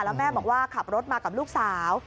แล้วแม่บอกว่าขับรถมากับลูกสาว